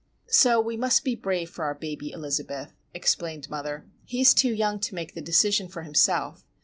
"So we must be brave for our baby, Elizabeth," explained mother. "He is too young to make the decision for himself.